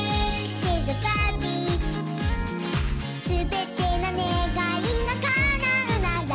「すべてのねがいがかなうなら」